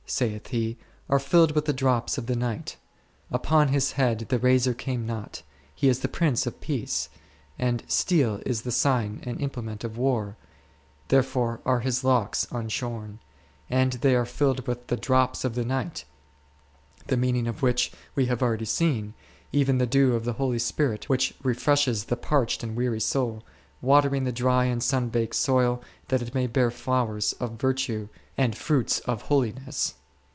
31 saith He, are filled with the drops of the night ; upon His head the razor came not ; He is the Prince of Peace, and steel is the sign and implement of war, therefore are His locks unshorn ; and they are filled with the drops of the night, the meaning of which we have already seen, even the dew of the Holy Spirit, which refreshes the parched and weary soul, watering the dry and sun baked soil that it may bear flowers of virtue and fruits of holiness.